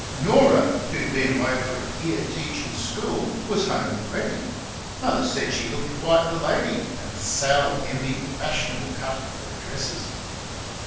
Norah, who had been away for a year teaching school, was home already. Mother said she looked quite the lady, and Sal envied the fashionable cut of her dresses.